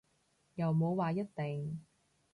又冇話一定